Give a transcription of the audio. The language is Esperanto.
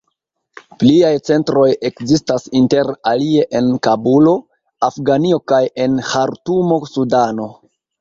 Pliaj centroj ekzistas inter alie en Kabulo, Afganio kaj en Ĥartumo, Sudano.